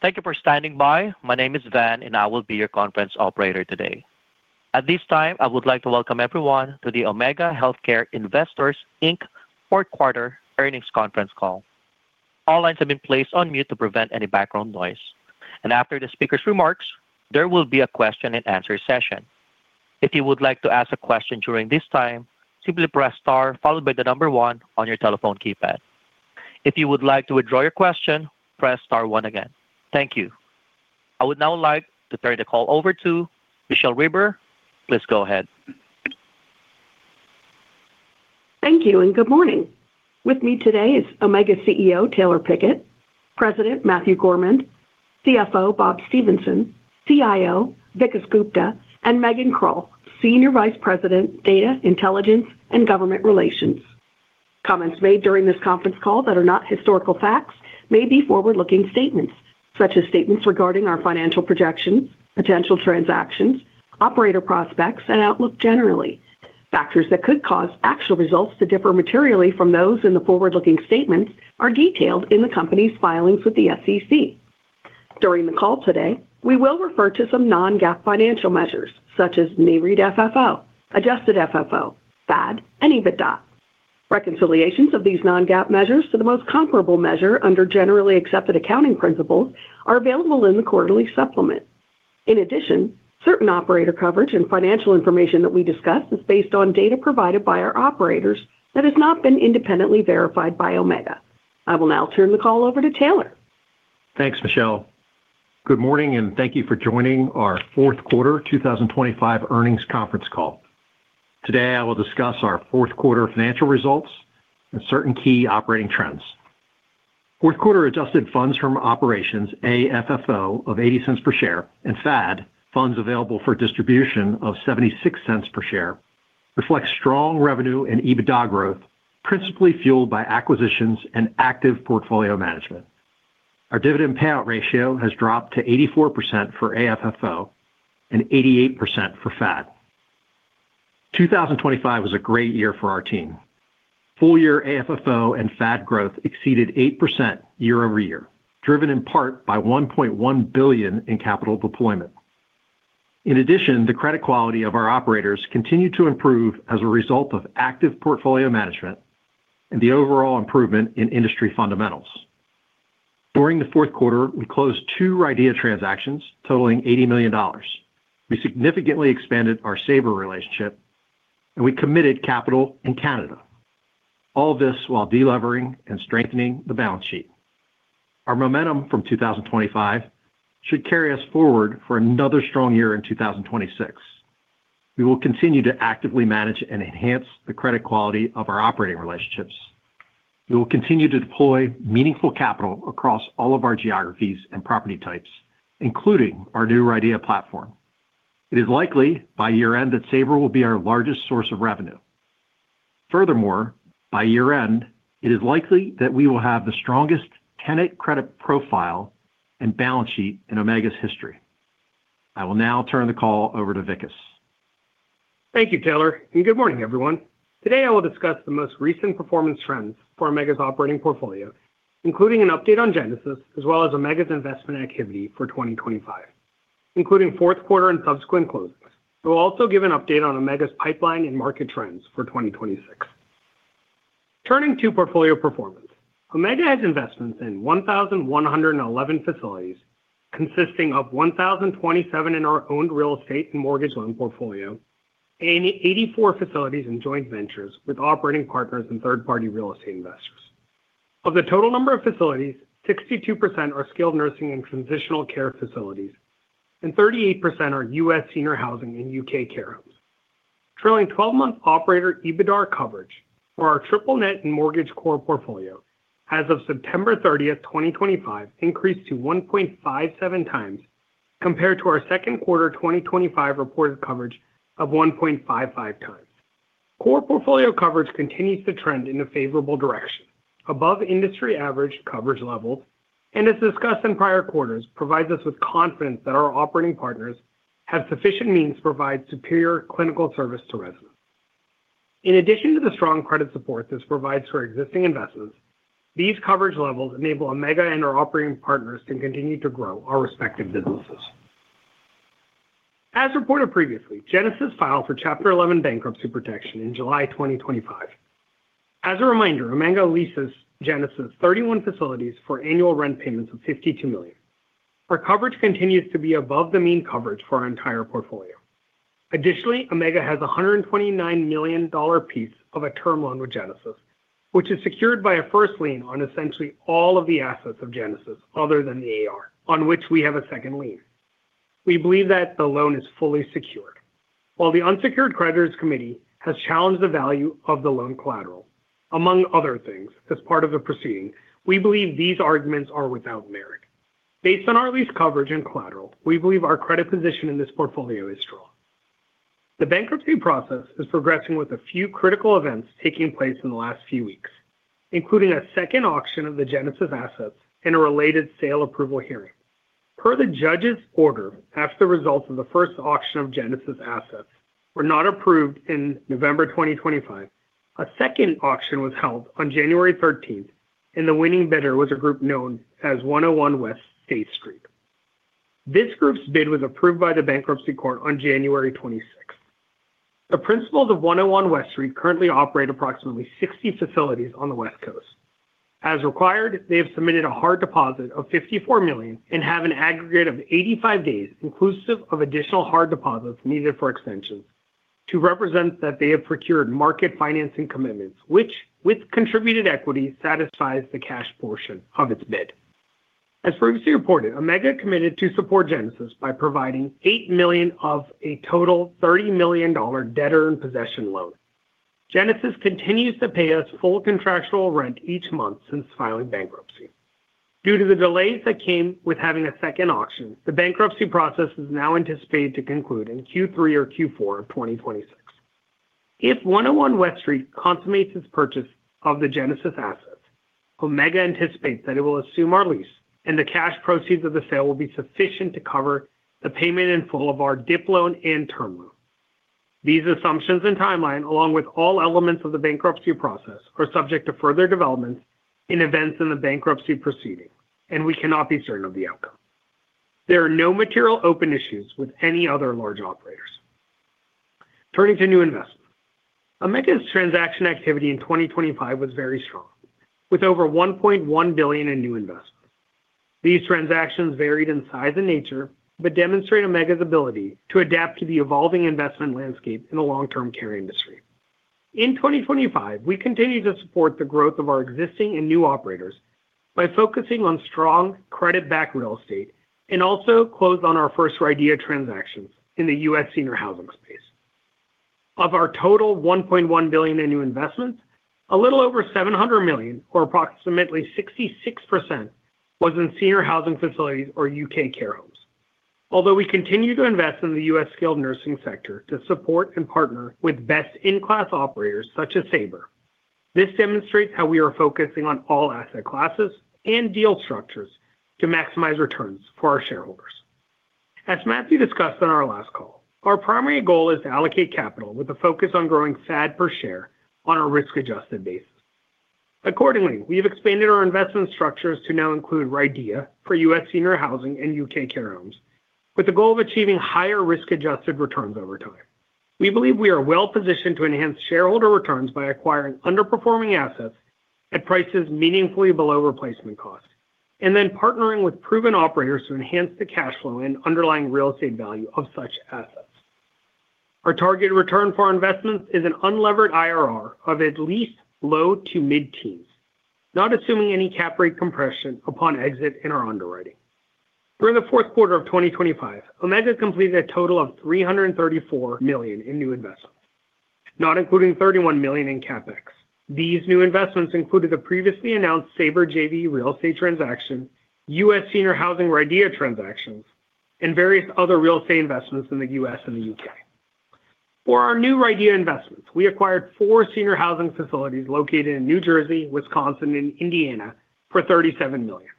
Thank you for standing by. My name is Van, and I will be your conference operator today. At this time, I would like to welcome everyone to the Omega Healthcare Investors, Inc. Fourth Quarter Earnings Conference Call. All lines have been placed on mute to prevent any background noise, and after the speaker's remarks, there will be a question and answer session. If you would like to ask a question during this time, simply press star followed by the number one on your telephone keypad. If you would like to withdraw your question, press star one again. Thank you. I would now like to turn the call over to Michele Reber. Please go ahead. Thank you, and good morning. With me today is Omega CEO Taylor Pickett, President Matthew Gourmand, CFO Bob Stephenson, CIO Vikas Gupta, and Megan Krull, Senior Vice President, Data Intelligence and Government Relations. Comments made during this conference call that are not historical facts may be forward-looking statements, such as statements regarding our financial projections, potential transactions, operator prospects, and outlook generally. Factors that could cause actual results to differ materially from those in the forward-looking statements are detailed in the company's filings with the SEC. During the call today, we will refer to some non-GAAP financial measures, such as NAREIT FFO, adjusted FFO, FAD, and EBITDA. Reconciliations of these non-GAAP measures to the most comparable measure under generally accepted accounting principles are available in the quarterly supplement. In addition, certain operator coverage and financial information that we discuss is based on data provided by our operators that has not been independently verified by Omega. I will now turn the call over to Taylor. Thanks, Michele. Good morning, and thank you for joining our Fourth Quarter 2025 Earnings Conference Call. Today, I will discuss our fourth quarter financial results and certain key operating trends. Fourth quarter adjusted funds from operations, AFFO, of $0.80 per share, and FAD, funds available for distribution of $0.76 per share, reflects strong revenue and EBITDA growth, principally fueled by acquisitions and active portfolio management. Our dividend payout ratio has dropped to 84% for AFFO and 88% for FAD. 2025 was a great year for our team. Full year AFFO and FAD growth exceeded 8% year-over-year, driven in part by $1.1 billion in capital deployment. In addition, the credit quality of our operators continued to improve as a result of active portfolio management and the overall improvement in industry fundamentals. During the fourth quarter, we closed two RIDEA transactions totaling $80 million. We significantly expanded our Saber relationship, and we committed capital in Canada. All this while de-levering and strengthening the balance sheet. Our momentum from 2025 should carry us forward for another strong year in 2026. We will continue to actively manage and enhance the credit quality of our operating relationships. We will continue to deploy meaningful capital across all of our geographies and property types, including our new RIDEA platform. It is likely by year-end that Saber will be our largest source of revenue. Furthermore, by year-end, it is likely that we will have the strongest tenant credit profile and balance sheet in Omega's history. I will now turn the call over to Vikas. Thank you, Taylor, and good morning, everyone. Today, I will discuss the most recent performance trends for Omega's operating portfolio, including an update on Genesis, as well as Omega's investment activity for 2025, including fourth quarter and subsequent closings. We'll also give an update on Omega's pipeline and market trends for 2026. Turning to portfolio performance. Omega has investments in 1,111 facilities, consisting of 1,027 in our owned real estate and mortgage loan portfolio, and 84 facilities in joint ventures with operating partners and third-party real estate investors. Of the total number of facilities, 62% are skilled nursing and transitional care facilities, and 38% are U.S. senior housing and U.K. care homes. Trailing 12-month operator EBITDAR coverage for our triple net and mortgage core portfolio as of September 30, 2025, increased to 1.57x compared to our second quarter 2025 reported coverage of 1.55x. Core portfolio coverage continues to trend in a favorable direction, above industry average coverage levels, and as discussed in prior quarters, provides us with confidence that our operating partners have sufficient means to provide superior clinical service to residents. In addition to the strong credit support this provides for existing investments, these coverage levels enable Omega and our operating partners to continue to grow our respective businesses. As reported previously, Genesis filed for Chapter 11 bankruptcy protection in July 2025. As a reminder, Omega leases Genesis 31 facilities for annual rent payments of $52 million. Our coverage continues to be above the mean coverage for our entire portfolio. Additionally, Omega has a $129 million piece of a term loan with Genesis, which is secured by a first lien on essentially all of the assets of Genesis other than the AR, on which we have a second lien. We believe that the loan is fully secured. While the Unsecured Creditors Committee has challenged the value of the loan collateral, among other things, as part of the proceeding, we believe these arguments are without merit. Based on our lease coverage and collateral, we believe our credit position in this portfolio is strong. The bankruptcy process is progressing with a few critical events taking place in the last few weeks, including a second auction of the Genesis assets and a related sale approval hearing. Per the judge's order, after the results of the first auction of Genesis assets were not approved in November 2025, a second auction was held on January 13th, and the winning bidder was a group known as 101 West State Street. This group's bid was approved by the bankruptcy court on January 26th. The principals of 101 West State Street currently operate approximately 60 facilities on the West Coast. As required, they have submitted a hard deposit of $54 million and have an aggregate of 85 days, inclusive of additional hard deposits needed for extensions, to represent that they have procured market financing commitments, which, with contributed equity, satisfies the cash portion of its bid. As previously reported, Omega committed to support Genesis by providing $8 million of a total $30 million debtor-in-possession loan. Genesis continues to pay us full contractual rent each month since filing bankruptcy. Due to the delays that came with having a second auction, the bankruptcy process is now anticipated to conclude in Q3 or Q4 of 2026. If 101 West State Street consummates its purchase of the Genesis Healthcare assets, Omega anticipates that it will assume our lease, and the cash proceeds of the sale will be sufficient to cover the payment in full of our DIP loan and term loan. These assumptions and timeline, along with all elements of the bankruptcy process, are subject to further developments in events in the bankruptcy proceeding, and we cannot be certain of the outcome. There are no material open issues with any other large operators. Turning to new investments. Omega's transaction activity in 2025 was very strong, with over $1.1 billion in new investments. These transactions varied in size and nature, but demonstrate Omega's ability to adapt to the evolving investment landscape in the long-term care industry. In 2025, we continued to support the growth of our existing and new operators by focusing on strong credit-backed real estate and also closed on our first RIDEA transactions in the U.S. senior housing space. Of our total $1.1 billion in new investments, a little over $700 million, or approximately 66%, was in senior housing facilities or U.K. care homes. Although we continue to invest in the U.S. skilled nursing sector to support and partner with best-in-class operators such as Saber, this demonstrates how we are focusing on all asset classes and deal structures to maximize returns for our shareholders. As Matthew discussed on our last call, our primary goal is to allocate capital with a focus on growing FAD per share on a risk-adjusted basis. Accordingly, we have expanded our investment structures to now include RIDEA for U.S. senior housing and U.K. care homes, with the goal of achieving higher risk-adjusted returns over time. We believe we are well positioned to enhance shareholder returns by acquiring underperforming assets at prices meaningfully below replacement cost, and then partnering with proven operators to enhance the cash flow and underlying real estate value of such assets. Our target return for our investments is an unlevered IRR of at least low- to mid-teens, not assuming any cap rate compression upon exit in our underwriting. During the fourth quarter of 2025, Omega completed a total of $334 million in new investments, not including $31 million in CapEx. These new investments included the previously announced Saber JV real estate transaction, U.S. senior housing RIDEA transactions, and various other real estate investments in the U.S. and the U.K. For our new RIDEA investments, we acquired 4 senior housing facilities located in New Jersey, Wisconsin, and Indiana for $37 million.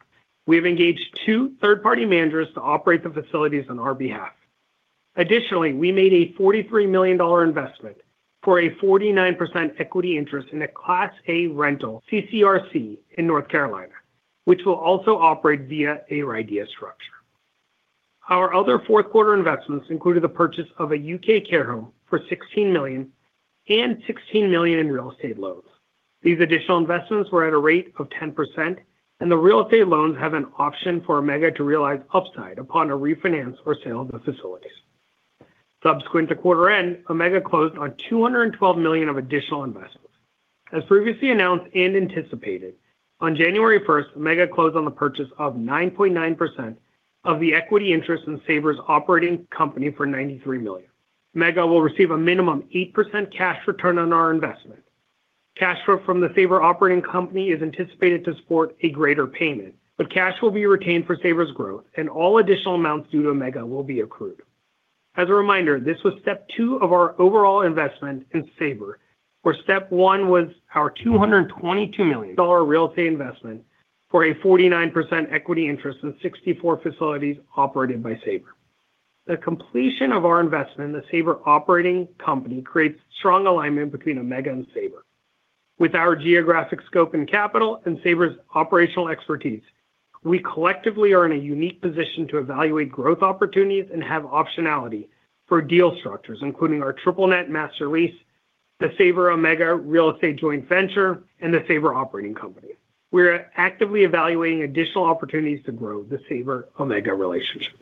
We have engaged two third-party managers to operate the facilities on our behalf. Additionally, we made a $43 million investment for a 49% equity interest in a Class A rental CCRC in North Carolina, which will also operate via a RIDEA structure. Our other fourth quarter investments included the purchase of a U.K. care home for $16 million and $16 million in real estate loans. These additional investments were at a rate of 10%, and the real estate loans have an option for Omega to realize upside upon a refinance or sale of the facilities. Subsequent to quarter end, Omega closed on $212 million of additional investments. As previously announced and anticipated, on January 1st, Omega closed on the purchase of 9.9% of the equity interest in Saber's operating company for $93 million. Omega will receive a minimum 8% cash return on our investment. Cash flow from the Saber operating company is anticipated to support a greater payment, but cash will be retained for Saber's growth, and all additional amounts due to Omega will be accrued. As a reminder, this was step two of our overall investment in Saber, where step one was our $222 million dollar real estate investment for a 49% equity interest in 64 facilities operated by Saber. The completion of our investment in the Saber operating company creates strong alignment between Omega and Saber. With our geographic scope and capital and Saber's operational expertise, we collectively are in a unique position to evaluate growth opportunities and have optionality for deal structures, including our triple net master lease, the Saber-Omega Real Estate Joint Venture, and the Saber operating company. We're actively evaluating additional opportunities to grow the Saber-Omega relationship.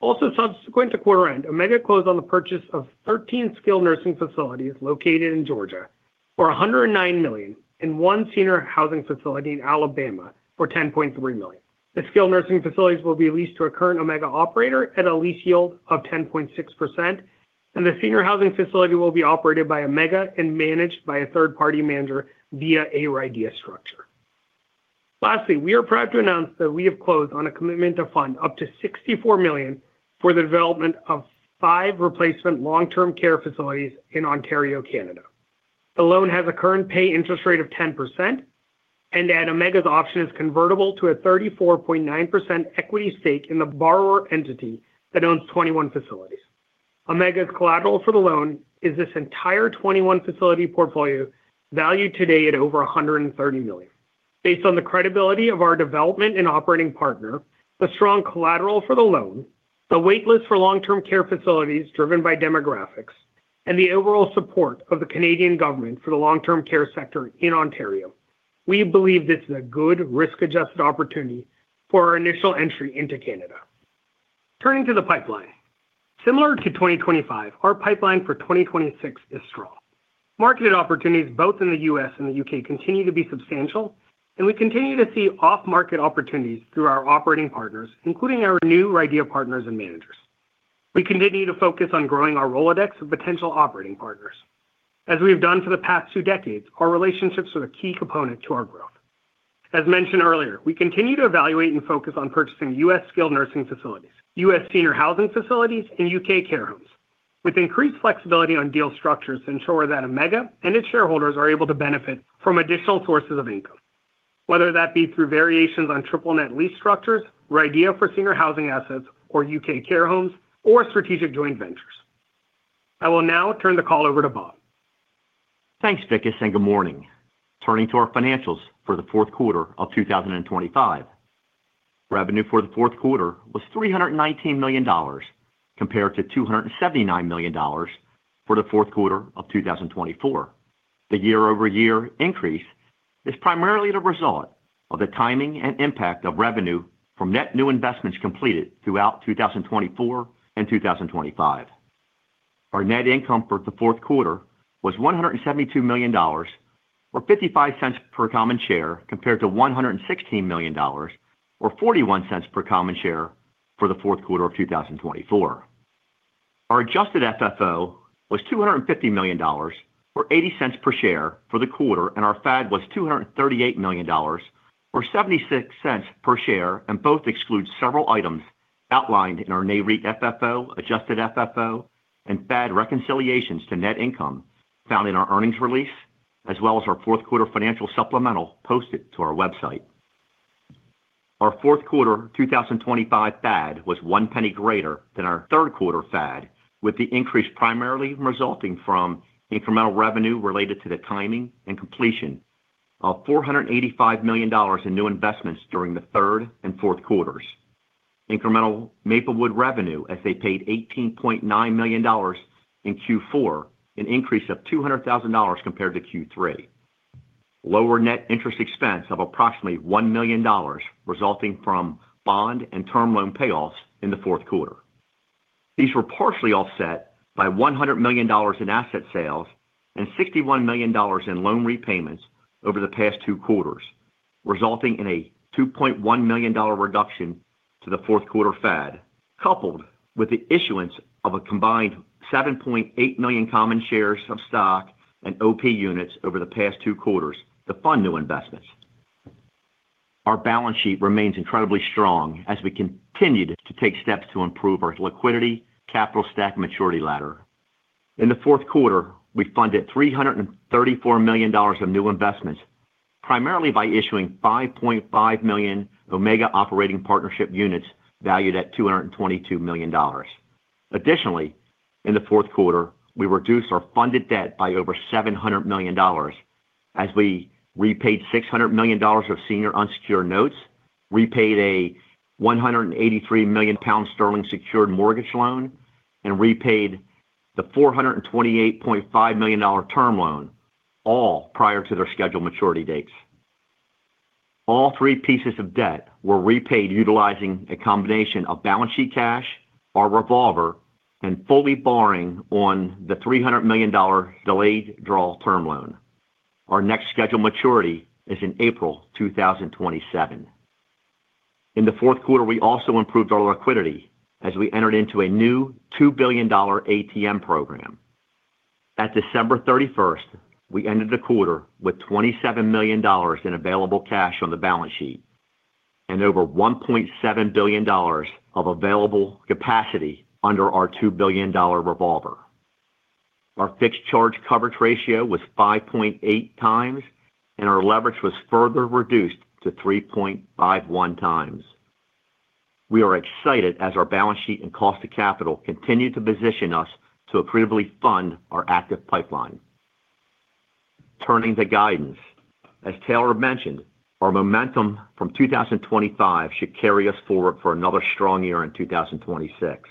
Also, subsequent to quarter end, Omega closed on the purchase of 13 skilled nursing facilities located in Georgia for $109 million and one senior housing facility in Alabama for $10.3 million. The skilled nursing facilities will be leased to a current Omega operator at a lease yield of 10.6%, and the senior housing facility will be operated by Omega and managed by a third-party manager via a RIDEA structure. Lastly, we are proud to announce that we have closed on a commitment to fund up to $64 million for the development of five replacement long-term care facilities in Ontario, Canada. The loan has a current pay interest rate of 10% and that Omega's option is convertible to a 34.9% equity stake in the borrower entity that owns 21 facilities. Omega's collateral for the loan is this entire 21 facility portfolio, valued today at over $130 million. Based on the credibility of our development and operating partner, the strong collateral for the loan, the wait list for long-term care facilities driven by demographics, and the overall support of the Canadian government for the long-term care sector in Ontario, we believe this is a good risk-adjusted opportunity for our initial entry into Canada. Turning to the pipeline. Similar to 2025, our pipeline for 2026 is strong. Marketed opportunities both in the U.S. and the U.K. continue to be substantial, and we continue to see off-market opportunities through our operating partners, including our new RIDEA partners and managers. We continue to focus on growing our Rolodex of potential operating partners. As we've done for the past two decades, our relationships are a key component to our growth. As mentioned earlier, we continue to evaluate and focus on purchasing U.S. skilled nursing facilities, U.S. senior housing facilities, and U.K. care homes, with increased flexibility on deal structures ensure that Omega and its shareholders are able to benefit from additional sources of income, whether that be through variations on triple net lease structures, RIDEA for senior housing assets, or U.K. care homes, or strategic joint ventures. I will now turn the call over to Bob. Thanks, Vikas, and good morning. Turning to our financials for the fourth quarter of 2025. Revenue for the fourth quarter was $319 million, compared to $279 million for the fourth quarter of 2024. The year-over-year increase is primarily the result of the timing and impact of revenue from net new investments completed throughout 2024 and 2025. Our net income for the fourth quarter was $172 million, or $0.55 per common share, compared to $116 million, or $0.41 per common share for the fourth quarter of 2024. Our Adjusted FFO was $250 million, or $0.80 per share for the quarter, and our FAD was $238 million, or $0.76 per share, and both exclude several items outlined in our NAREIT FFO, adjusted FFO, and FAD reconciliations to net income found in our earnings release, as well as our fourth quarter financial supplemental posted to our website. Our fourth quarter 2025 FAD was one penny greater than our third quarter FAD, with the increase primarily resulting from incremental revenue related to the timing and completion of $485 million in new investments during the third and fourth quarters. Incremental Maplewood revenue, as they paid $18.9 million in Q4, an increase of $200,000 compared to Q3. Lower net interest expense of approximately $1 million, resulting from bond and term loan payoffs in the fourth quarter. These were partially offset by $100 million in asset sales and $61 million in loan repayments over the past two quarters, resulting in a $2.1 million reduction to the fourth quarter FAD, coupled with the issuance of a combined 7.8 million common shares of stock and OP units over the past two quarters to fund new investments. Our balance sheet remains incredibly strong as we continued to take steps to improve our liquidity capital stack maturity ladder. In the fourth quarter, we funded $334 million of new investments, primarily by issuing 5.5 million Omega operating partnership units, valued at $222 million. Additionally, in the fourth quarter, we reduced our funded debt by over $700 million as we repaid $600 million of senior unsecured notes, repaid a 183 million pound sterling secured mortgage loan, and repaid the $428.5 million term loan, all prior to their scheduled maturity dates. All three pieces of debt were repaid utilizing a combination of balance sheet cash, our revolver, and fully borrowing on the $300 million delayed draw term loan. Our next scheduled maturity is in April 2027. In the fourth quarter, we also improved our liquidity as we entered into a new $2 billion ATM program. At December 31, we ended the quarter with $27 million in available cash on the balance sheet and over $1.7 billion of available capacity under our $2 billion revolver. Our fixed charge coverage ratio was 5.8x, and our leverage was further reduced to 3.51x. We are excited as our balance sheet and cost of capital continue to position us to approvingly fund our active pipeline. Turning to guidance. As Taylor mentioned, our momentum from 2025 should carry us forward for another strong year in 2026.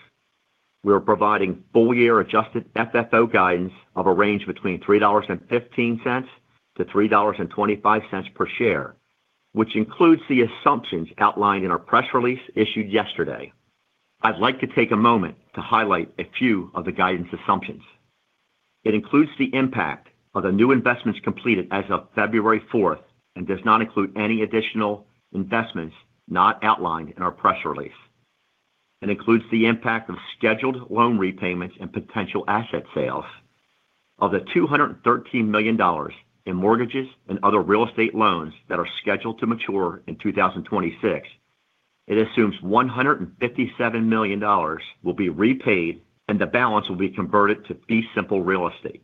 We are providing full year Adjusted FFO guidance of a range between $3.15-$3.25 per share, which includes the assumptions outlined in our press release issued yesterday. I'd like to take a moment to highlight a few of the guidance assumptions. It includes the impact of the new investments completed as of February 4th and does not include any additional investments not outlined in our press release. It includes the impact of scheduled loan repayments and potential asset sales. Of the $213 million in mortgages and other real estate loans that are scheduled to mature in 2026, it assumes $157 million will be repaid, and the balance will be converted to fee simple real estate.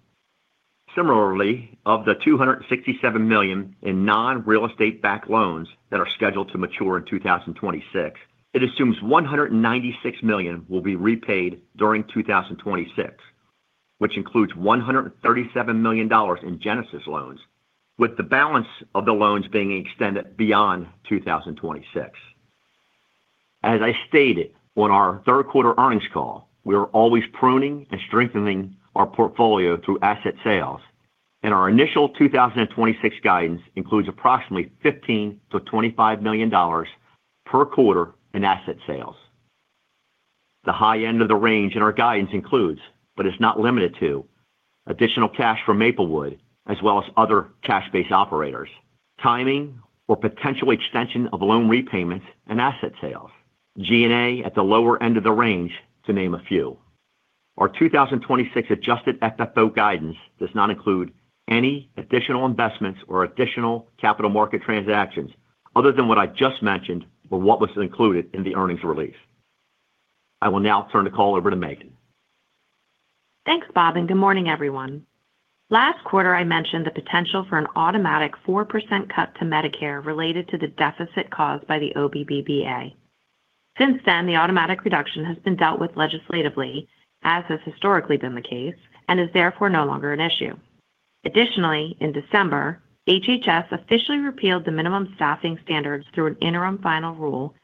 Similarly, of the $267 million in non-real estate-backed loans that are scheduled to mature in 2026, it assumes $196 million will be repaid during 2026, which includes $137 million in Genesis loans, with the balance of the loans being extended beyond 2026. As I stated on our third quarter earnings call, we are always pruning and strengthening our portfolio through asset sales, and our initial 2026 guidance includes approximately $15 million-$25 million per quarter in asset sales. The high end of the range in our guidance includes, but is not limited to, additional cash from Maplewood, as well as other cash-based operators, timing or potential extension of loan repayments and asset sales, GNA at the lower end of the range, to name a few. Our 2026 adjusted FFO guidance does not include any additional investments or additional capital market transactions, other than what I just mentioned, or what was included in the earnings release. I will now turn the call over to Megan. Thanks, Bob, and good morning, everyone. Last quarter, I mentioned the potential for an automatic 4% cut to Medicare related to the deficit caused by the OBBA. Since then, the automatic reduction has been dealt with legislatively, as has historically been the case, and is therefore no longer an issue. Additionally, in December, HHS officially repealed the minimum staffing standards through an interim final rule,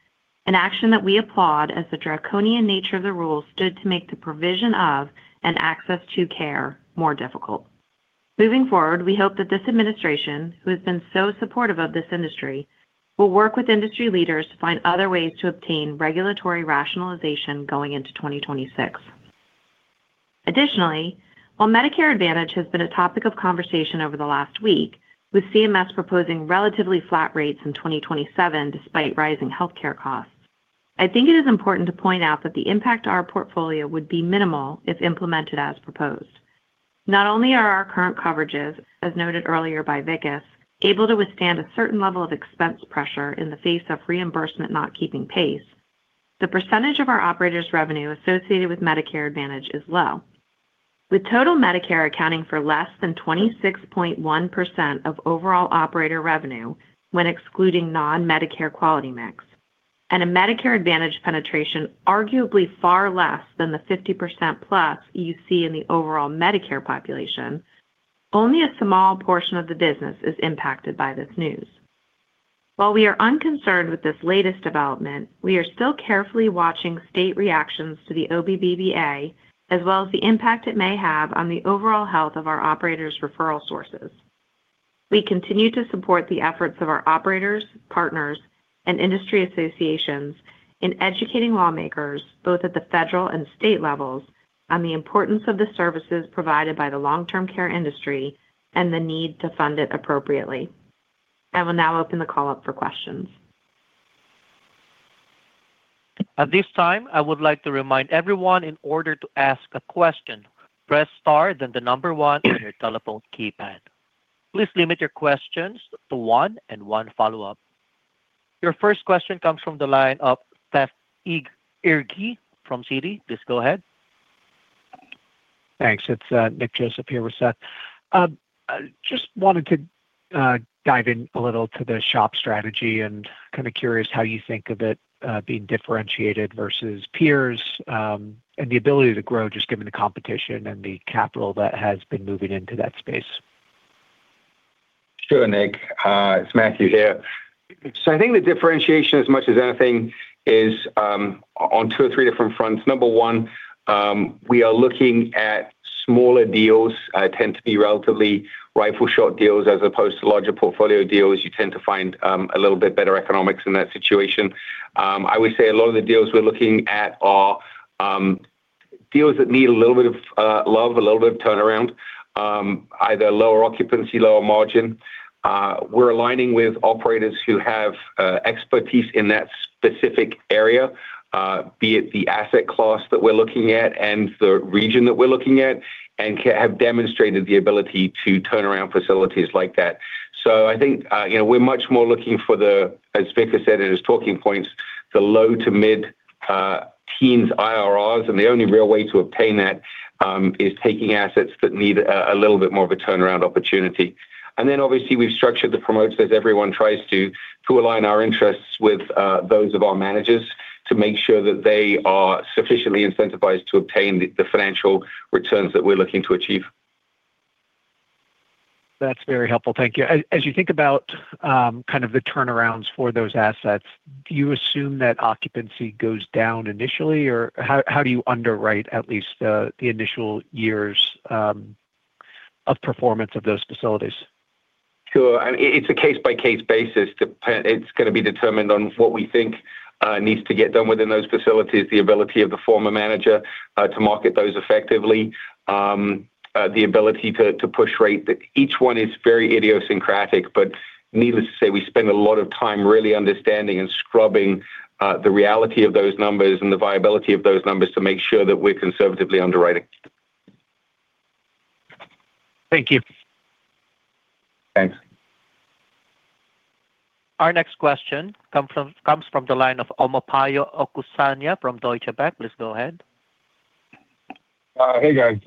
an action that we applaud as the draconian nature of the rule stood to make the provision of and access to care more difficult. Moving forward, we hope that this administration, who has been so supportive of this industry, will work with industry leaders to find other ways to obtain regulatory rationalization going into 2026. Additionally, while Medicare Advantage has been a topic of conversation over the last week, with CMS proposing relatively flat rates in 2027, despite rising healthcare costs, I think it is important to point out that the impact to our portfolio would be minimal if implemented as proposed. Not only are our current coverages, as noted earlier by Vikas, able to withstand a certain level of expense pressure in the face of reimbursement not keeping pace, the percentage of our operator's revenue associated with Medicare Advantage is low. With total Medicare accounting for less than 26.1% of overall operator revenue when excluding non-Medicare quality mix, and a Medicare Advantage penetration arguably far less than the 50% plus you see in the overall Medicare population, only a small portion of the business is impacted by this news. While we are unconcerned with this latest development, we are still carefully watching state reactions to the OBBA, as well as the impact it may have on the overall health of our operators' referral sources. We continue to support the efforts of our operators, partners, and industry associations in educating lawmakers, both at the federal and state levels, on the importance of the services provided by the long-term care industry and the need to fund it appropriately. I will now open the call up for questions. At this time, I would like to remind everyone in order to ask a question, press star, then the number one on your telephone keypad. Please limit your questions to one and one follow-up. Your first question comes from the line of Seth Canetto-Dougherty from Citi. Please go ahead. Thanks. It's Nick Joseph here with Seth. I just wanted to dive in a little to the Saber strategy and kind of curious how you think of it, being differentiated versus peers, and the ability to grow, just given the competition and the capital that has been moving into that space. Sure, Nick, it's Matthew here. So I think the differentiation, as much as anything, is on two or three different fronts. Number one, we are looking at smaller deals, tend to be relatively rifle shot deals as opposed to larger portfolio deals. You tend to find a little bit better economics in that situation. I would say a lot of the deals we're looking at are deals that need a little bit of love, a little bit of turnaround, either lower occupancy, lower margin. We're aligning with operators who have expertise in that specific area, be it the asset class that we're looking at and the region that we're looking at, and have demonstrated the ability to turn around facilities like that. So I think, you know, we're much more looking for the, as Vikas said in his talking points, the low- to mid-teens IRRs, and the only real way to obtain that, is taking assets that need a, a little bit more of a turnaround opportunity. And then, obviously, we've structured the promotes as everyone tries to, to align our interests with, those of our managers, to make sure that they are sufficiently incentivized to obtain the, the financial returns that we're looking to achieve. That's very helpful. Thank you. As you think about kind of the turnarounds for those assets, do you assume that occupancy goes down initially, or how do you underwrite at least the initial years of performance of those facilities? Sure. I mean, it's a case-by-case basis, it's gonna be determined on what we think needs to get done within those facilities, the ability of the former manager to market those effectively, the ability to push rate. That each one is very idiosyncratic, but needless to say, we spend a lot of time really understanding and scrubbing the reality of those numbers and the viability of those numbers to make sure that we're conservatively underwriting. Thank you. Thanks. Our next question comes from the line of Omotayo Okusanya from Deutsche Bank. Please go ahead. Hey, guys.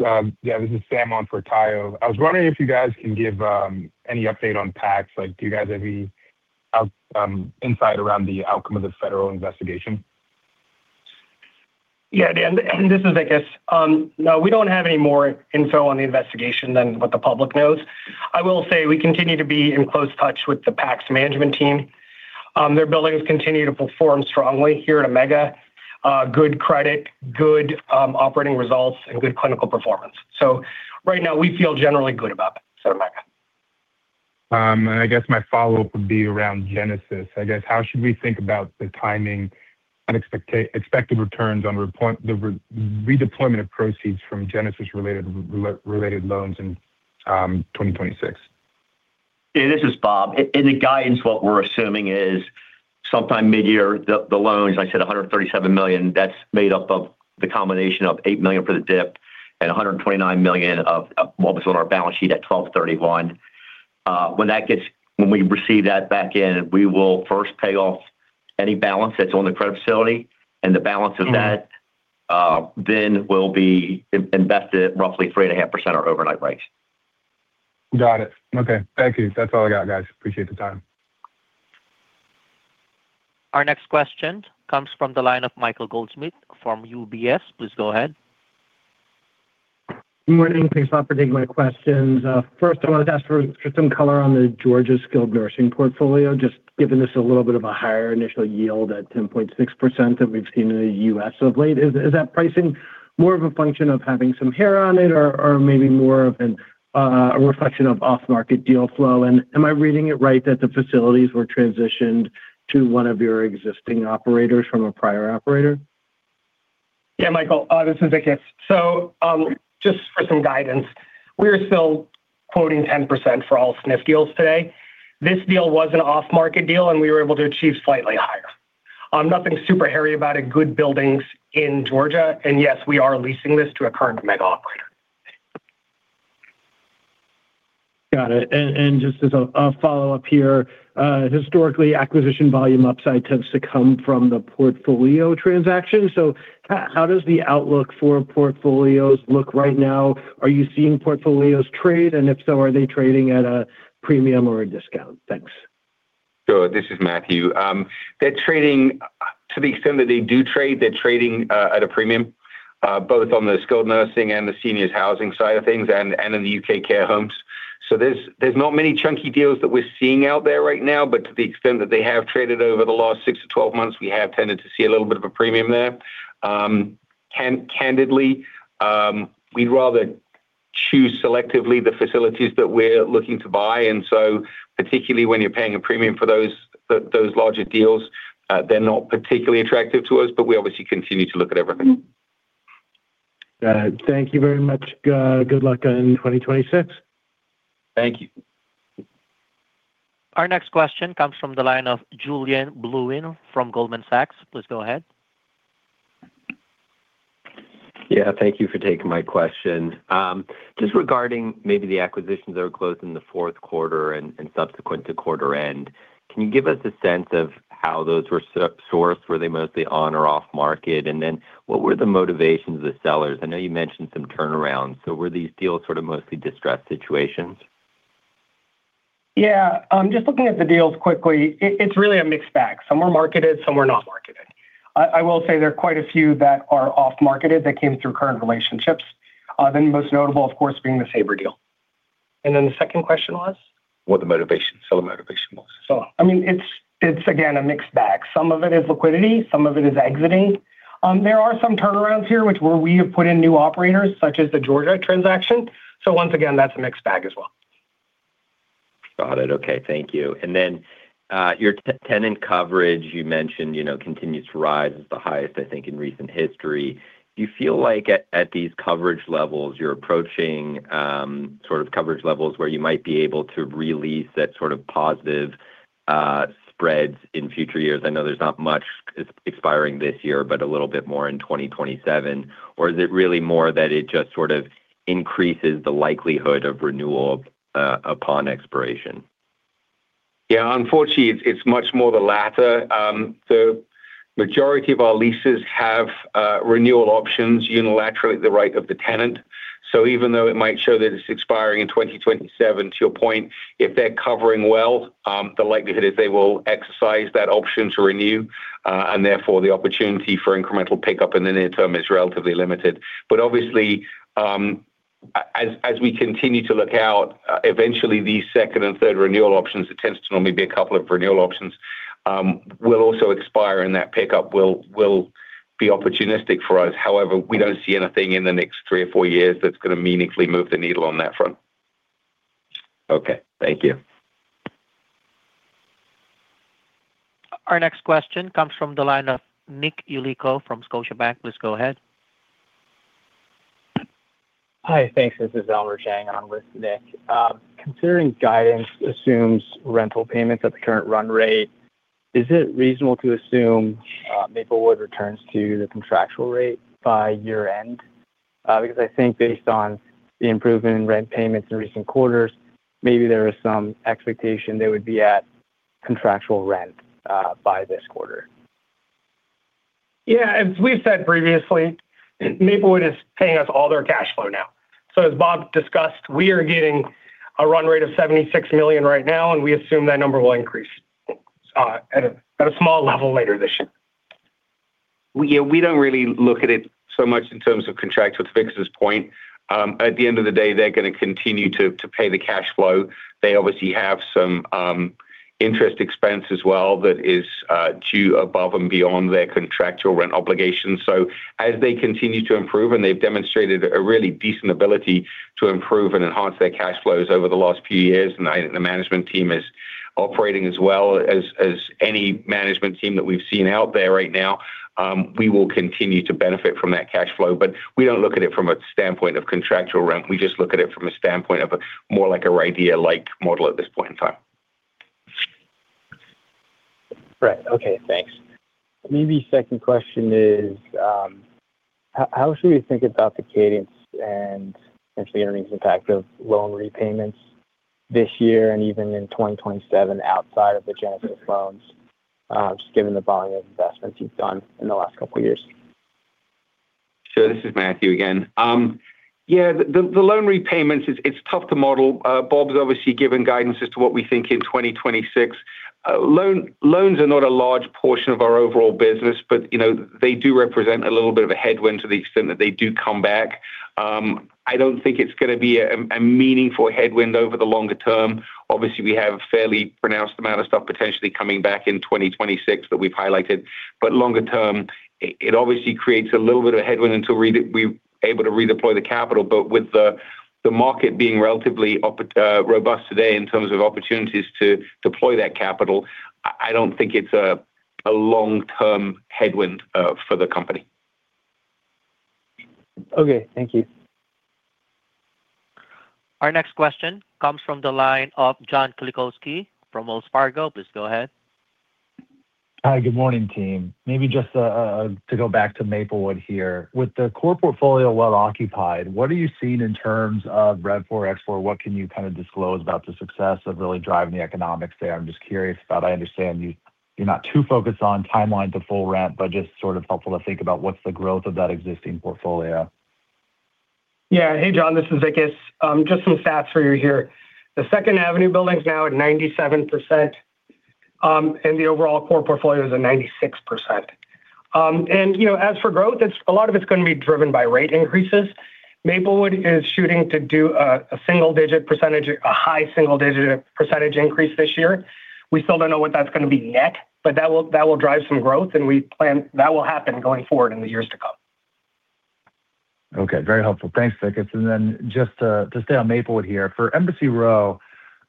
Yeah, this is Sam on for Tayo. I was wondering if you guys can give any update on PAX? Like, do you guys have any insight around the outcome of the federal investigation? Yeah, and this is Vikas. No, we don't have any more info on the investigation than what the public knows. I will say we continue to be in close touch with the PACS management team. Their buildings continue to perform strongly here at Omega. Good credit, good operating results, and good clinical performance. So right now, we feel generally good about it at Omega. I guess my follow-up would be around Genesis. I guess, how should we think about the timing and expected returns on the redeployment of proceeds from Genesis-related loans in 2026? Yeah, this is Bob. In the guidance, what we're assuming is sometime mid-year, the loans, I said $137 million, that's made up of the combination of $8 million for the DIP and $129 million of what was on our balance sheet at 12/31. When we receive that back in, we will first pay off any balance that's on the credit facility, and the balance of that then will be invested roughly 3.5% our overnight rates. Got it. Okay, thank you. That's all I got, guys. Appreciate the time. Our next question comes from the line of Michael Goldsmith from UBS. Please go ahead. Good morning. Thanks for taking my questions. First, I wanted to ask for some color on the Georgia Skilled Nursing portfolio, just given this a little bit of a higher initial yield at 10.6% than we've seen in the U.S. of late. Is that pricing more of a function of having some hair on it or maybe more of a reflection of off-market deal flow? And am I reading it right that the facilities were transitioned to one of your existing operators from a prior operator? Yeah, Michael, this is Vikas. So, just for some guidance, we are still quoting 10% for all SNF deals today. This deal was an off-market deal, and we were able to achieve slightly higher. Nothing super hairy about it. Good buildings in Georgia, and yes, we are leasing this to a current Omega operator. Got it. Just as a follow-up here, historically, acquisition volume upside tends to come from the portfolio transaction. So how does the outlook for portfolios look right now? Are you seeing portfolios trade, and if so, are they trading at a premium or a discount? Thanks. Sure. This is Matthew. They're trading, to the extent that they do trade, they're trading, at a premium, both on the skilled nursing and the seniors housing side of things and, and in the U.K. care homes. So there's, there's not many chunky deals that we're seeing out there right now, but to the extent that they have traded over the last 6-12 months, we have tended to see a little bit of a premium there. Candidly, we'd rather choose selectively the facilities that we're looking to buy, and so particularly when you're paying a premium for those, those larger deals, they're not particularly attractive to us, but we obviously continue to look at everything. Got it. Thank you very much. Good luck in 2026. Thank you. Our next question comes from the line of Julien Blouin from Goldman Sachs. Please go ahead. Yeah, thank you for taking my question. Just regarding maybe the acquisitions that were closed in the fourth quarter and subsequent to quarter end, can you give us a sense of how those were sourced? Were they mostly on or off market? And then, what were the motivations of the sellers? I know you mentioned some turnarounds, so were these deals sort of mostly distressed situations? Yeah, just looking at the deals quickly, it, it's really a mixed bag. Some were marketed, some were not marketed. I, I will say there are quite a few that are off-market that came through current relationships. The most notable, of course, being the Saber deal. And then the second question was? What the motivation, seller motivation was. I mean, it's again a mixed bag. Some of it is liquidity, some of it is exiting. There are some turnarounds here, where we have put in new operators, such as the Georgia transaction. So once again, that's a mixed bag as well. Got it. Okay, thank you. And then, your tenant coverage, you mentioned, you know, continues to rise. It's the highest, I think, in recent history. Do you feel like at these coverage levels, you're approaching sort of coverage levels where you might be able to release that sort of positive spreads in future years? I know there's not much expiring this year, but a little bit more in 2027. Or is it really more that it just sort of increases the likelihood of renewal upon expiration? Yeah, unfortunately, it's much more the latter. The majority of our leases have renewal options unilaterally at the right of the tenant. So even though it might show that it's expiring in 2027, to your point, if they're covering well, the likelihood is they will exercise that option to renew, and therefore, the opportunity for incremental pickup in the near term is relatively limited. But obviously, as we continue to look out, eventually, these second and third renewal options, it tends to normally be a couple of renewal options, will also expire, and that pickup will be opportunistic for us. However, we don't see anything in the next three or four years that's gonna meaningfully move the needle on that front. Okay. Thank you. Our next question comes from the line of Nick Yulico from Scotiabank. Please go ahead. Hi. Thanks, this is Elmer Zhang, I'm with Nick. Considering guidance assumes rental payments at the current run rate... Is it reasonable to assume, Maplewood returns to the contractual rate by year-end? Because I think based on the improvement in rent payments in recent quarters, maybe there is some expectation they would be at contractual rent, by this quarter. Yeah, as we've said previously, Maplewood is paying us all their cash flow now. So as Bob discussed, we are getting a run rate of $76 million right now, and we assume that number will increase at a small level later this year. Yeah, we don't really look at it so much in terms of contractual at this point. At the end of the day, they're going to continue to pay the cash flow. They obviously have some interest expense as well, that is due above and beyond their contractual rent obligations. So as they continue to improve, and they've demonstrated a really decent ability to improve and enhance their cash flows over the last few years, and the management team is operating as well as any management team that we've seen out there right now. We will continue to benefit from that cash flow, but we don't look at it from a standpoint of contractual rent. We just look at it from a standpoint of a more like a RIDEA-like model at this point in time. Right. Okay, thanks. Maybe second question is, how should we think about the cadence and potentially earnings impact of loan repayments this year and even in 2027 outside of the Genesis loans, just given the volume of investments you've done in the last couple of years? Sure. This is Matthew again. Yeah, the loan repayments it's tough to model. Bob's obviously given guidance as to what we think in 2026. Loans are not a large portion of our overall business, but, you know, they do represent a little bit of a headwind to the extent that they do come back. I don't think it's going to be a meaningful headwind over the longer term. Obviously, we have fairly pronounced amount of stuff potentially coming back in 2026 that we've highlighted. But longer term, it obviously creates a little bit of a headwind until we are able to redeploy the capital. But with the market being relatively robust today in terms of opportunities to deploy that capital, I don't think it's a long-term headwind for the company. Okay, thank you. Our next question comes from the line of John Kilichowski from Wells Fargo. Please go ahead. Hi, good morning, team. Maybe just to go back to Maplewood here. With the core portfolio well occupied, what are you seeing in terms of rent for export? What can you kind of disclose about the success of really driving the economics there? I'm just curious about... I understand you, you're not too focused on timeline to full rent, but just sort of helpful to think about what's the growth of that existing portfolio. Yeah. Hey, John, this is Vikas. Just some stats for you here. The Second Avenue building is now at 97%, and the overall core portfolio is at 96%. And, you know, as for growth, it's a lot of it's going to be driven by rate increases. Maplewood is shooting to do a single-digit percentage, a high single-digit percentage increase this year. We still don't know what that's going to be net, but that will, that will drive some growth, and we plan that will happen going forward in the years to come. Okay, very helpful. Thanks, Vikas. And then just to stay on Maplewood here. For Embassy Row,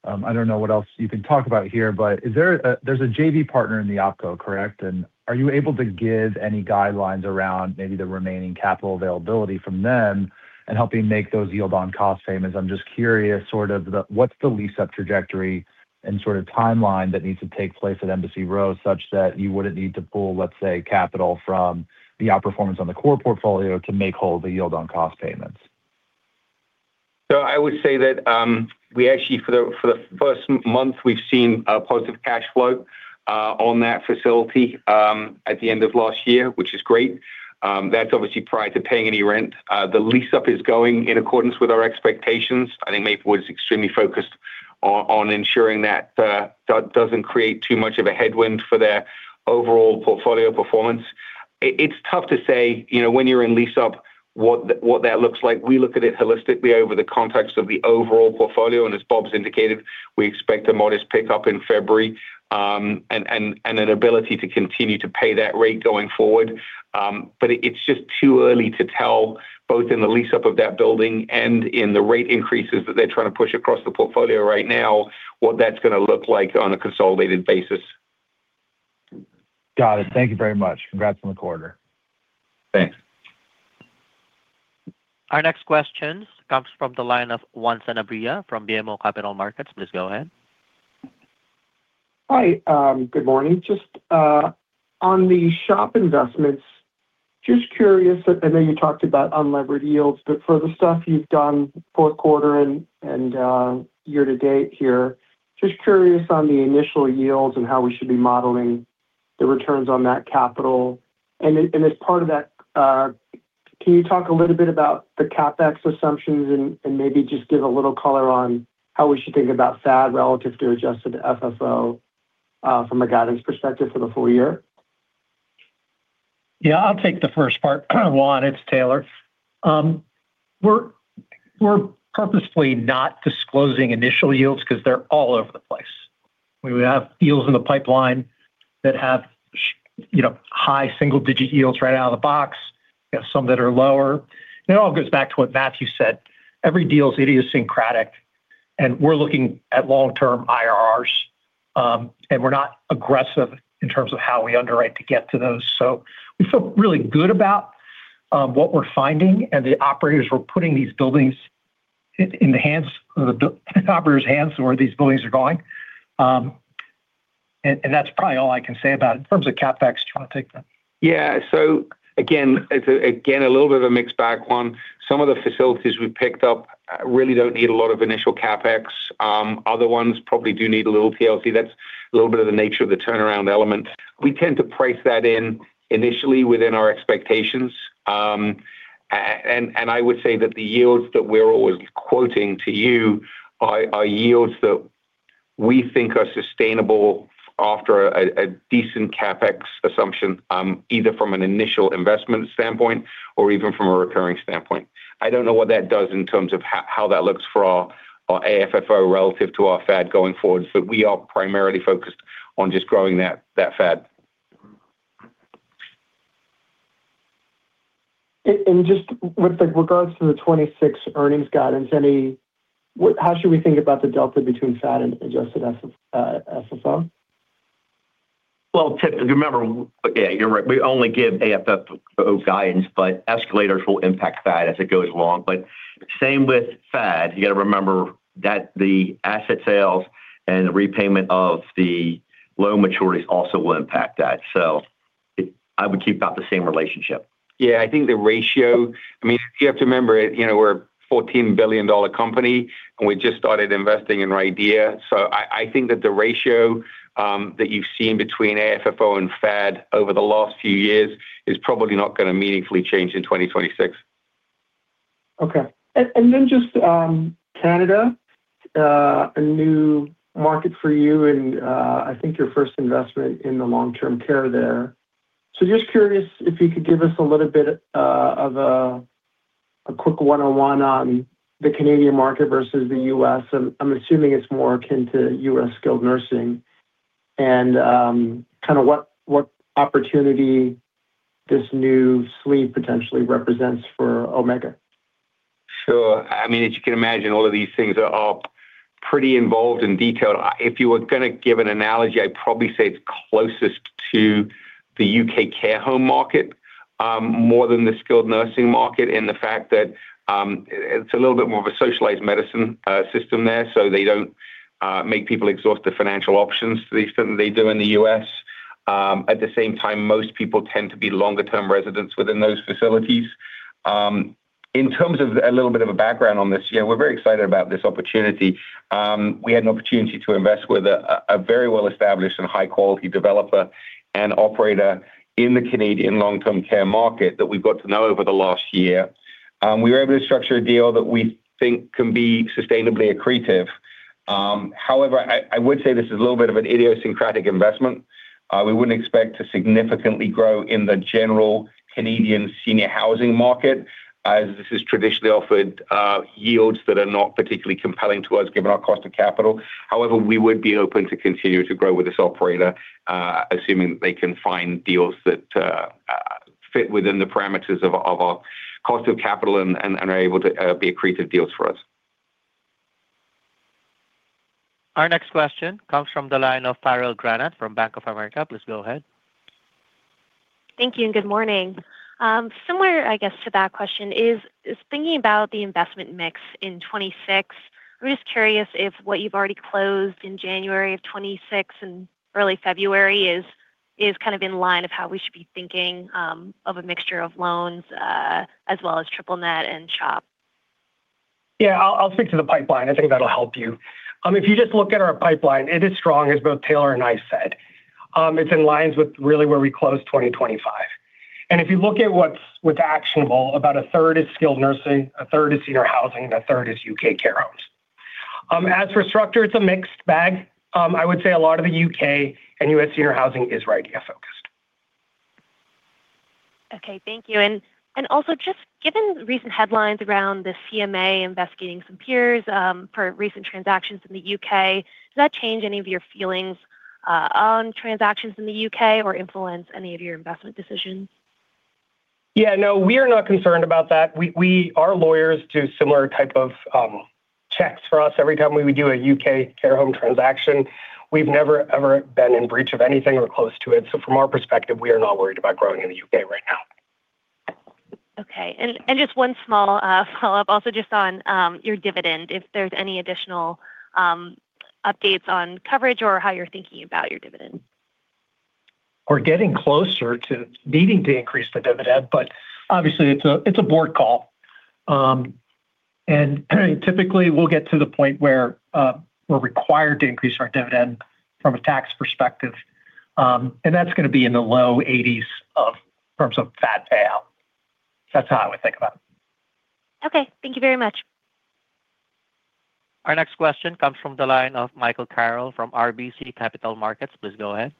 I don't know what else you can talk about here, but is there a—there's a JV partner in the OpCo, correct? And are you able to give any guidelines around maybe the remaining capital availability from them and helping make those yield on cost payments? I'm just curious, sort of, the—what's the lease-up trajectory and sort of timeline that needs to take place at Embassy Row, such that you wouldn't need to pull, let's say, capital from the outperformance on the core portfolio to make whole the yield on cost payments. So I would say that, we actually, for the, for the first month, we've seen a positive cash flow, on that facility, at the end of last year, which is great. That's obviously prior to paying any rent. The lease-up is going in accordance with our expectations. I think Maplewood is extremely focused on, on ensuring that, that doesn't create too much of a headwind for their overall portfolio performance. It, it's tough to say, you know, when you're in lease-up, what that, what that looks like. We look at it holistically over the context of the overall portfolio, and as Bob's indicated, we expect a modest pickup in February, and, and, and an ability to continue to pay that rate going forward. But it's just too early to tell, both in the lease-up of that building and in the rate increases that they're trying to push across the portfolio right now, what that's going to look like on a consolidated basis. Got it. Thank you very much. Congrats on the quarter. Thanks. Our next question comes from the line of Juan Sanabria from BMO Capital Markets. Please go ahead. Hi, good morning. Just, on the shop investments, just curious, I know you talked about unlevered yields, but for the stuff you've done fourth quarter and year to date here, just curious on the initial yields and how we should be modeling the returns on that capital. And then... And as part of that, can you talk a little bit about the CapEx assumptions and maybe just give a little color on how we should think about FAD relative to adjusted FFO, from a guidance perspective for the full year? Yeah, I'll take the first part. Juan, it's Taylor. We're purposefully not disclosing initial yields because they're all over the place. We would have deals in the pipeline that have sh-- you know, high single digit yields right out of the box, we have some that are lower. It all goes back to what Matthew said, every deal is idiosyncratic, and we're looking at long-term IRRs, and we're not aggressive in terms of how we underwrite to get to those. So we feel really good about what we're finding and the operators we're putting these buildings in the hands of the bidder operator's hands where these buildings are going. And that's probably all I can say about it. In terms of CapEx, do you want to take that? Yeah. So again, it's again a little bit of a mixed bag one. Some of the facilities we've picked up really don't need a lot of initial CapEx. Other ones probably do need a little TLC. That's a little bit of the nature of the turnaround element. We tend to price that in initially within our expectations. And I would say that the yields that we're always quoting to you are yields that we think are sustainable after a decent CapEx assumption, either from an initial investment standpoint or even from a recurring standpoint. I don't know what that does in terms of how that looks for our AFFO relative to our FAD going forward, but we are primarily focused on just growing that FAD. Just with, like, regards to the 26 earnings guidance, how should we think about the delta between FAD and adjusted FFO? Well, typically, remember. Yeah, you're right. We only give AFFO guidance, but escalators will impact that as it goes along. But same with FAD, you got to remember that the asset sales and the repayment of the loan maturities also will impact that. So I would keep about the same relationship. Yeah, I think the ratio—I mean, you have to remember, you know, we're a $14 billion company, and we just started investing in our idea. So I, I think that the ratio that you've seen between AFFO and FAD over the last few years is probably not going to meaningfully change in 2026. Okay. And then just Canada, a new market for you and, I think, your first investment in the long-term care there. So just curious if you could give us a little bit of a quick one-on-one on the Canadian market versus the U.S. I'm assuming it's more akin to U.S. skilled nursing and kind of what opportunity this new sleeve potentially represents for Omega. Sure. I mean, as you can imagine, all of these things are, are pretty involved in detail. If you were going to give an analogy, I'd probably say it's closest to the U.K. care home market, more than the skilled nursing market, and the fact that, it's a little bit more of a socialized medicine system there, so they don't make people exhaust the financial options they do in the U.S. At the same time, most people tend to be longer-term residents within those facilities. In terms of a little bit of a background on this, yeah, we're very excited about this opportunity. We had an opportunity to invest with a very well-established and high-quality developer and operator in the Canadian long-term care market that we've got to know over the last year. We were able to structure a deal that we think can be sustainably accretive. However, I would say this is a little bit of an idiosyncratic investment. We wouldn't expect to significantly grow in the general Canadian senior housing market, as this is traditionally offered yields that are not particularly compelling to us, given our cost of capital. However, we would be open to continue to grow with this operator, assuming they can find deals that fit within the parameters of our cost of capital and are able to be accretive deals for us. Our next question comes from the line of Farrell Granath from Bank of America. Please go ahead. Thank you and good morning. Similar, I guess, to that question, is thinking about the investment mix in 2026. We're just curious if what you've already closed in January of 2026 and early February is kind of in line of how we should be thinking of a mixture of loans, as well as triple net and SHOP. Yeah, I'll speak to the pipeline. I think that'll help you. If you just look at our pipeline, it is strong, as both Taylor and I said. It's in line with really where we closed 2025. And if you look at what's actionable, about a third is skilled nursing, a third is senior housing, and a third is U.K. care homes. As for structure, it's a mixed bag. I would say a lot of the U.K. and U.S. senior housing is RIDEA focused. Okay. Thank you. Also, just given recent headlines around the CMA investigating some peers for recent transactions in the UK, does that change any of your feelings on transactions in the UK or influence any of your investment decisions? Yeah, no, we are not concerned about that. Our lawyers do similar type of checks for us every time we would do a U.K. care home transaction. We've never, ever been in breach of anything or close to it. So from our perspective, we are not worried about growing in the U.K. right now. Okay. And just one small follow-up, also just on your dividend, if there's any additional updates on coverage or how you're thinking about your dividend? We're getting closer to needing to increase the dividend, but obviously it's a board call. And typically, we'll get to the point where we're required to increase our dividend from a tax perspective, and that's going to be in the low 80s from some FAD payout. That's how I would think about it. Okay. Thank you very much. Our next question comes from the line of Michael Carroll from RBC Capital Markets. Please go ahead.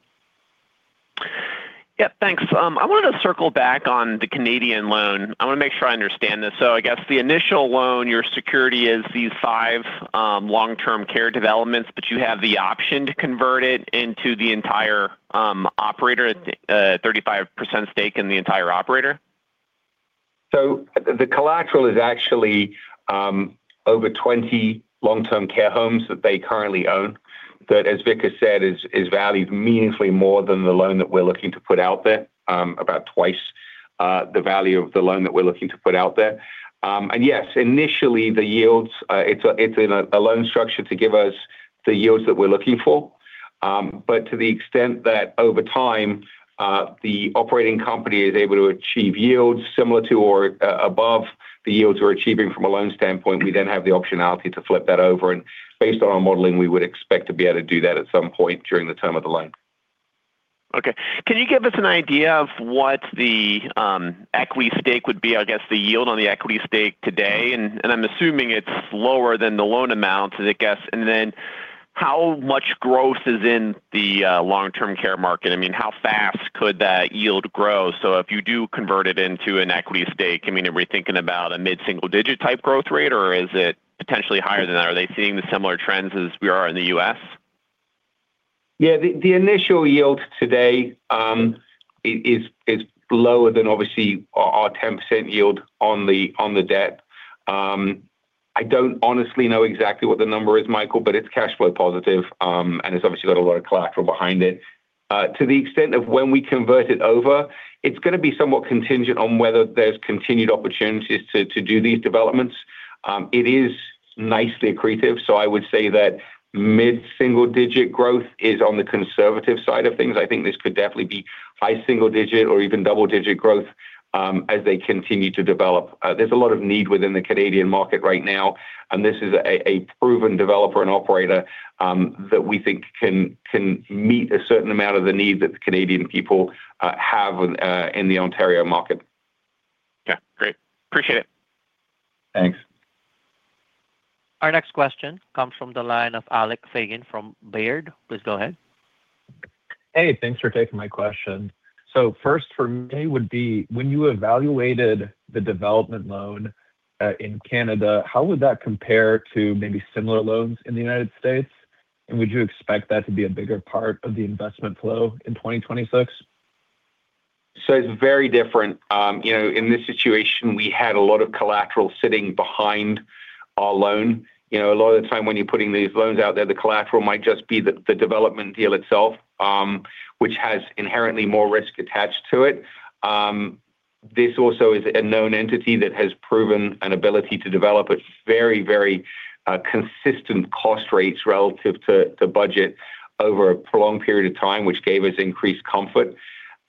Yeah, thanks. I want to circle back on the Canadian loan. I want to make sure I understand this. So I guess the initial loan, your security is these five long-term care developments, but you have the option to convert it into the entire operator 35% stake in the entire operator? So the collateral is actually over 20 long-term care homes that they currently own, that, as Victor said, is valued meaningfully more than the loan that we're looking to put out there, about twice the value of the loan that we're looking to put out there. And yes, initially, the yields, it's in a loan structure to give us the yields that we're looking for. But to the extent that over time, the operating company is able to achieve yields similar to or above the yields we're achieving from a loan standpoint, we then have the optionality to flip that over, and based on our modeling, we would expect to be able to do that at some point during the term of the loan. Okay. Can you give us an idea of what the equity stake would be, I guess, the yield on the equity stake today? And, and I'm assuming it's lower than the loan amount, I guess. And then how much growth is in the long-term care market? I mean, how fast could that yield grow? So if you do convert it into an equity stake, I mean, are we thinking about a mid-single-digit type growth rate, or is it potentially higher than that? Are they seeing the similar trends as we are in the U.S.? Yeah, the initial yield today is lower than obviously our 10% yield on the debt. I don't honestly know exactly what the number is, Michael, but it's cash flow positive, and it's obviously got a lot of collateral behind it. To the extent of when we convert it over, it's gonna be somewhat contingent on whether there's continued opportunities to do these developments. It is nicely accretive, so I would say that mid-single-digit growth is on the conservative side of things. I think this could definitely be high single-digit or even double-digit growth, as they continue to develop. There's a lot of need within the Canadian market right now, and this is a proven developer and operator that we think can meet a certain amount of the need that the Canadian people have in the Ontario market. Yeah, great. Appreciate it. Thanks. Our next question comes from the line of Alec Feygin from Baird. Please go ahead. Hey, thanks for taking my question. So first for me would be: When you evaluated the development loan in Canada, how would that compare to maybe similar loans in the United States? And would you expect that to be a bigger part of the investment flow in 2026? So it's very different. You know, in this situation, we had a lot of collateral sitting behind our loan. You know, a lot of the time when you're putting these loans out there, the collateral might just be the development deal itself, which has inherently more risk attached to it. This also is a known entity that has proven an ability to develop at very, very consistent cost rates relative to budget over a prolonged period of time, which gave us increased comfort.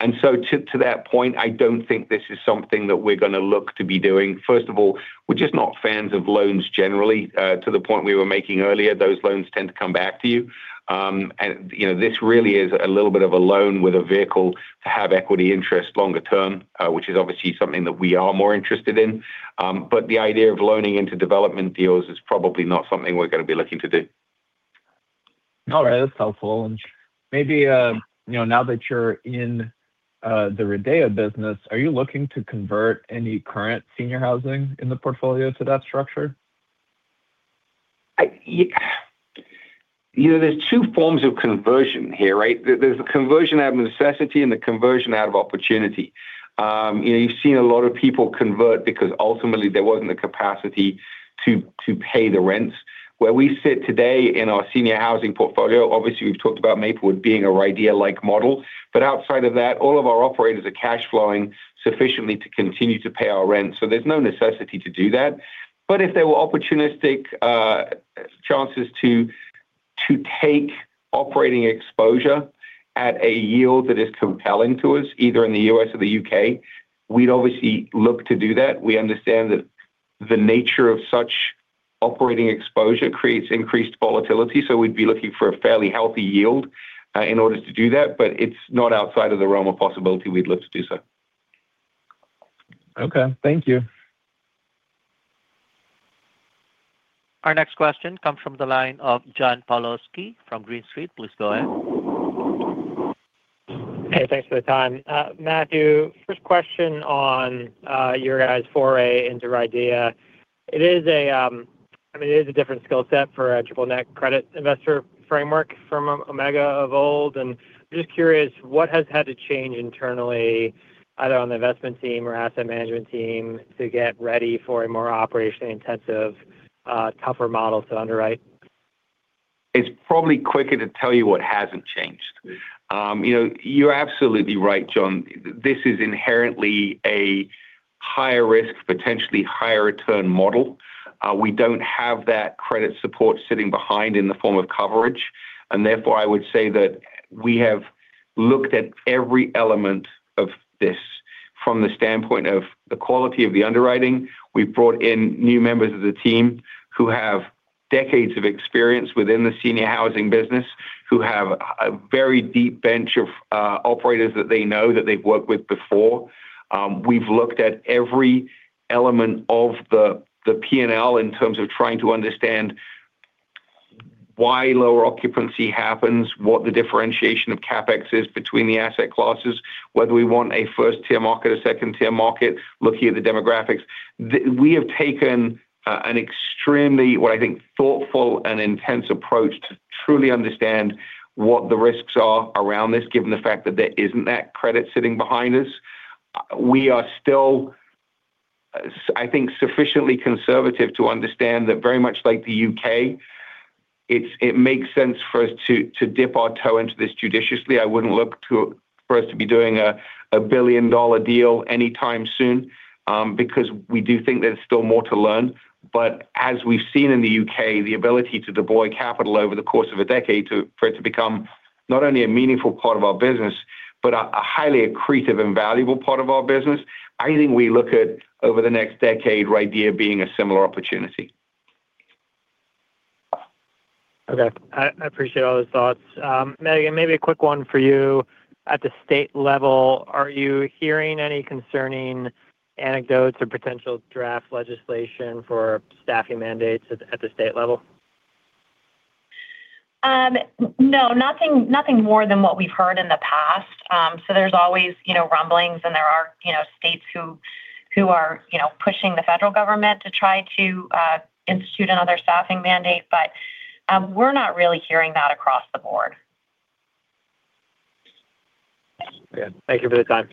And so to that point, I don't think this is something that we're gonna look to be doing. First of all, we're just not fans of loans generally. To the point we were making earlier, those loans tend to come back to you. You know, this really is a little bit of a loan with a vehicle to have equity interest longer term, which is obviously something that we are more interested in. But the idea of loaning into development deals is probably not something we're gonna be looking to do. All right. That's helpful. And maybe, you know, now that you're in the RIDEA business, are you looking to convert any current senior housing in the portfolio to that structure? You know, there's two forms of conversion here, right? There's the conversion out of necessity and the conversion out of opportunity. You know, you've seen a lot of people convert because ultimately there wasn't the capacity to pay the rents. Where we sit today in our senior housing portfolio, obviously, we've talked about Maplewood being a RIDEA-like model, but outside of that, all of our operators are cash flowing sufficiently to continue to pay our rent, so there's no necessity to do that. But if there were opportunistic chances to take operating exposure at a yield that is compelling to us, either in the U.S. or the U.K., we'd obviously look to do that. We understand that the nature of such operating exposure creates increased volatility, so we'd be looking for a fairly healthy yield, in order to do that, but it's not outside of the realm of possibility we'd look to do so. Okay, thank you. Our next question comes from the line of John Pawlowski from Green Street. Please go ahead. Hey, thanks for the time. Matthew, first question on your guys' foray into RIDEA. It is a, I mean, it is a different skill set for a triple net credit investor framework from Omega of old, and just curious, what has had to change internally, either on the investment team or asset management team, to get ready for a more operationally intensive, tougher model to underwrite? It's probably quicker to tell you what hasn't changed. You know, you're absolutely right, John. This is inherently a higher risk, potentially higher return model. We don't have that credit support sitting behind in the form of coverage, and therefore, I would say that we have looked at every element of this from the standpoint of the quality of the underwriting. We've brought in new members of the team who have decades of experience within the senior housing business, who have a very deep bench of operators that they know, that they've worked with before. We've looked at every element of the P&L in terms of trying to understand why lower occupancy happens, what the differentiation of CapEx is between the asset classes, whether we want a first-tier market or second-tier market, looking at the demographics. We have taken an extremely, what I think, thoughtful and intense approach to truly understand what the risks are around this, given the fact that there isn't that credit sitting behind us. We are still, I think, sufficiently conservative to understand that very much like the UK, it makes sense for us to dip our toe into this judiciously. I wouldn't look for us to be doing a billion-dollar deal anytime soon, because we do think there's still more to learn. But as we've seen in the UK, the ability to deploy capital over the course of a decade for it to become not only a meaningful part of our business, but a highly accretive and valuable part of our business, I think we look at over the next decade, RIDEA being a similar opportunity. Okay. I appreciate all those thoughts. Megan, maybe a quick one for you. At the state level, are you hearing any concerning anecdotes or potential draft legislation for staffing mandates at the state level? No, nothing, nothing more than what we've heard in the past. So there's always, you know, rumblings, and there are, you know, states who are, you know, pushing the federal government to try to institute another staffing mandate, but we're not really hearing that across the board. Yeah. Thank you for the time.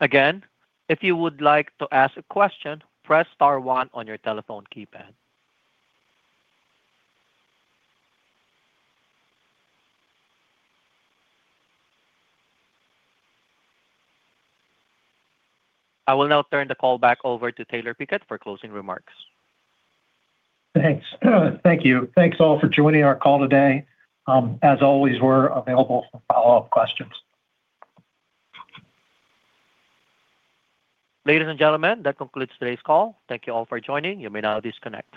Again, if you would like to ask a question, press star one on your telephone keypad. I will now turn the call back over to Taylor Pickett for closing remarks. Thanks. Thank you. Thanks, all, for joining our call today. As always, we're available for follow-up questions. Ladies and gentlemen, that concludes today's call. Thank you all for joining. You may now disconnect.